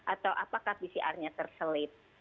atau apakah pcr nya terselip